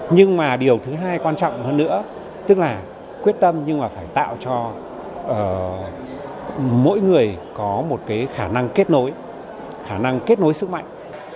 nhưng mà điều thứ hai quan trọng hơn nữa tức là quyết tâm nhưng mà phải tạo cho mỗi người có một cái khả năng kết nối khả năng kết nối sức mạnh